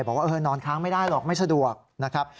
บอกว่านอนค้างไม่ได้หรอกไม่สะดวกนะครับ